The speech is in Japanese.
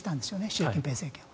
習近平政権は。